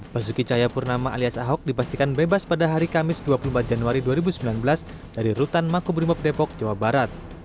basuki cahayapurnama alias ahok dipastikan bebas pada hari kamis dua puluh empat januari dua ribu sembilan belas dari rutan makobrimob depok jawa barat